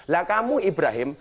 lah kamu ibrahim